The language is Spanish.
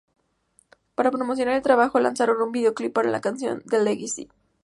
Para promocionar el trabajo, lanzaron un videoclip para la canción ""The Legacy"".